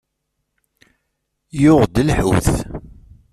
Yuɣ-d lḥut.